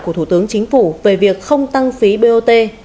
của thủ tướng chính phủ về việc không tăng phí bot